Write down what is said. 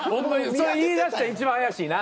それ言いだしたんいちばん怪しいな。